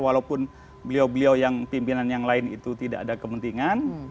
dan beliau beliau yang pimpinan yang lain itu tidak ada kepentingan